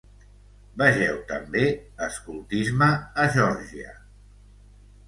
Vegeu també: Escoltisme a Georgia.